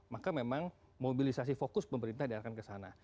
maka memang mobilisasi fokus pemerintah diarahkan ke sana